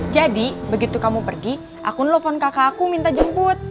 jadi begitu kamu pergi aku nelfon kakakku minta jemput